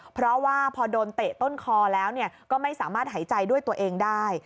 เพราะว่าพอโดนเตะต้นคอแล้วก็ไม่สามารถหายใจด้วยตัวเองได้